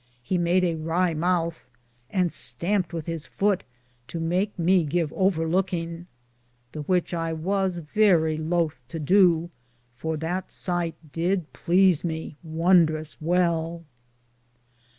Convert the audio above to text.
He made a wrye mouthe, and stamped with his foute to make me give over looking ; the which I was verrie . lothe to dow, for that sighte did please me wondrous well.